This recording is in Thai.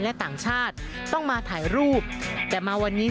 บริเวณหน้าสารพระการอำเภอเมืองจังหวัดลบบุรี